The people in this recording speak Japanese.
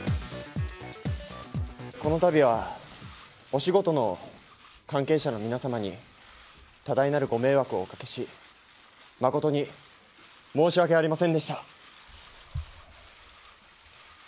このたびは、お仕事の関係者の皆様に多大なるご迷惑をおかけし、誠に申し訳ありませんでした。